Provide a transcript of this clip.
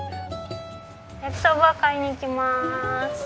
焼きそば買いに行きまーす。